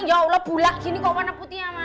ya allah bulat gini kok warna putihnya